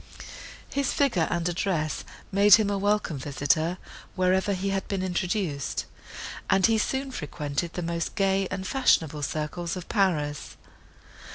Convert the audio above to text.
His figure and address made him a welcome visitor, wherever he had been introduced, and he soon frequented the most gay and fashionable circles of Paris.